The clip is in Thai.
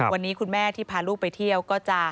วันนี้คุณแม่ที่พาลูกไปเที่ยวก็จะ